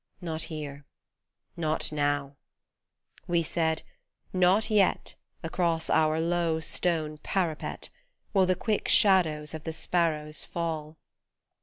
Not here, not now. We said " Not yet Across our low stone parapet Will the quick shadows of the sparrows fall."